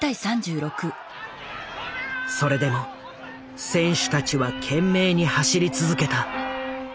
それでも選手たちは懸命に走り続けた。